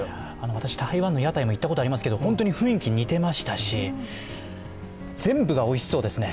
私、台湾の屋台、行ったことありますけど本当に雰囲気似てましたし全部がおいしそうですね。